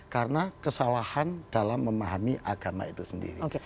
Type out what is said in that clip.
karena kesalahan dalam memahami agama itu sendiri